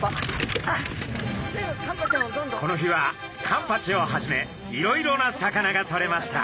この日はカンパチをはじめいろいろな魚がとれました。